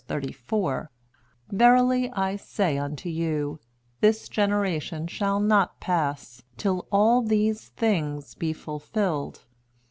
34, "Verily I say unto you, This generation shall not pass, till all these things be fulfilled."